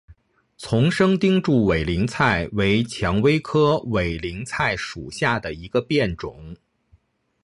丛生钉柱委陵菜为蔷薇科委陵菜属下的一个变种。